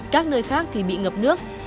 các nơi khác thì bị ngập nước